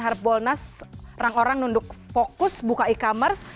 harbolnas orang orang nunduk fokus buka e commerce